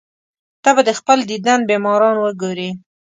ته به د خپل دیدن بیماران وګورې.